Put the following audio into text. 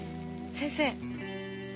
先生。